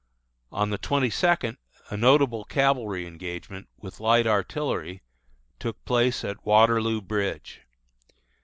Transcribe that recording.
On the twenty second a notable cavalry engagement, with light artillery, took place at Waterloo Bridge.